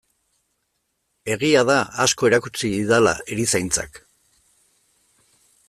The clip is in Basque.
Egia da asko erakutsi didala erizaintzak.